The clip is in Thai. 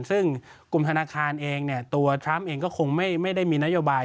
ซึ่งกลุ่มธนาคารเองตัวทรัมป์เองก็คงไม่ได้มีนโยบาย